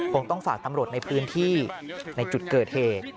ต้องฝากตำรวจในพื้นที่ในจุดเกิดเหตุ